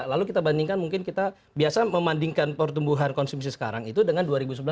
lalu kita bandingkan mungkin kita biasa memandingkan pertumbuhan konsumsi sekarang itu dengan dua ribu sebelas dua ribu dua belas